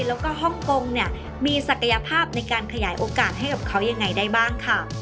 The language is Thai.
แล้วก็ฮ่องกงเนี่ยมีศักยภาพในการขยายโอกาสให้กับเขายังไงได้บ้างค่ะ